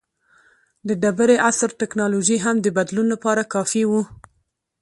د ډبرې عصر ټکنالوژي هم د بدلون لپاره کافي وه.